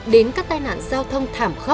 đến các tai nạn giao thông